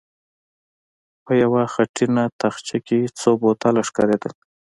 په يوه خټينه تاخچه کې څو بوتله ښکارېدل.